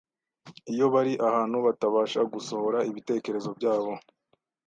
iyo bari ahantu batabasha gusohora ibitekerezo byabo